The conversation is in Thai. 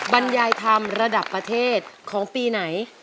บรรยายธรรมระดับประเทศของปีไหน